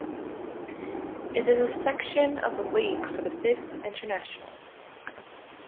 It is a section of the League for the Fifth International.